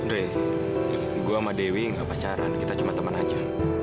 andre gue sama dewi enggak pacaran kita cuma teman aja